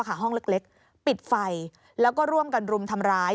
ห้องเล็กปิดไฟแล้วก็ร่วมกันรุมทำร้าย